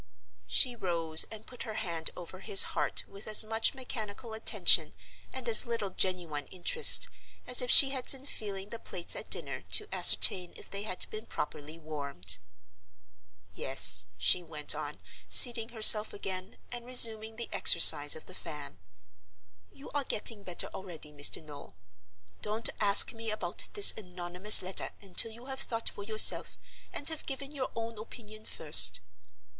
She rose and put her hand over his heart with as much mechanical attention and as little genuine interest as if she had been feeling the plates at dinner to ascertain if they had been properly warmed. "Yes," she went on, seating herself again, and resuming the exercise of the fan; "you are getting better already, Mr. Noel.—Don't ask me about this anonymous letter until you have thought for yourself, and have given your own opinion first."